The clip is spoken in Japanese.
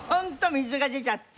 水が出ちゃって？